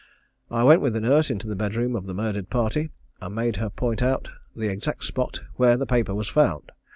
I went with the nurse into the bed room of the murdered party, and made her point out the exact spot where the paper was found.